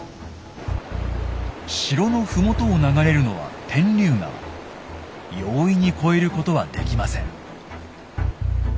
城の麓を流れるのは容易に越えることはできません。